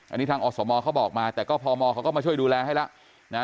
อันนี้ทางอสมเขาบอกมาแต่ก็พมเขาก็มาช่วยดูแลให้แล้วนะ